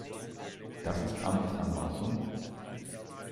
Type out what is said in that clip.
Das ist Amtsanmaßung!